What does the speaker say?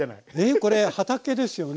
えこれ畑ですよね？